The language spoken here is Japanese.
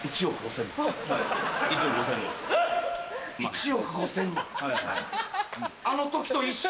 １億５０００万。